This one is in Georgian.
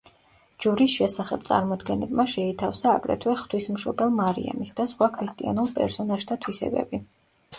ჯვრის შესახებ წარმოდგენებმა შეითავსა აგრეთვე ღვთისმშობელ მარიამის და სხვა ქრისტიანულ პერსონაჟთა თვისებები.